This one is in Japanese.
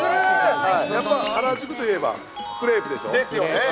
やっぱ原宿といえばクレープですよね。